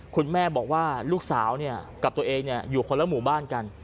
คุณแม่บอกว่าลูกสาวกับตัวเองอยู่คนละหมู่บ้านกัน